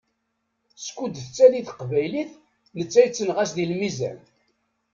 Skud tettali teqbaylit, netta yettenɣaṣ di lmizan.